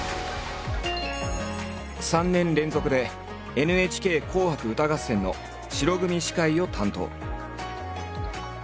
３年連続で「ＮＨＫ紅白歌合戦」の白組司会を担当。